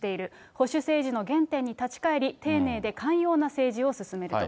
保守政治の原点に立ち返り、丁寧で寛容な政治を進めると。